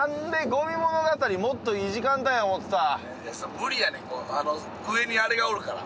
無理やねん上にあれがおるから。